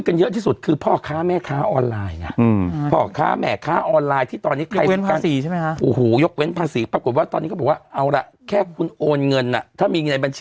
นี้ก็บอกว่าเอาล่ะแค่คุณโอนเงินอ่ะถ้ามีเงินในบัญชี